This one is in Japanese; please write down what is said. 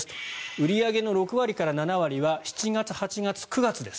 売り上げの６割から７割は７月、８月、９月です。